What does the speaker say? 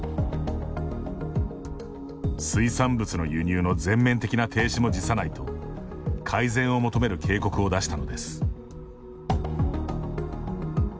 水産物の輸入の全面的な停止も辞さないと改善を求める警告を出したのです。